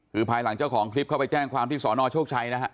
คือภายหลังเจ้าของคลิปเข้าไปแจ้งความที่สอนอโชคชัยนะฮะ